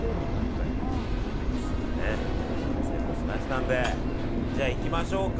さあ、ご飯セットしましたのでいきましょうか。